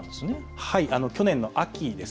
はい、去年の秋です。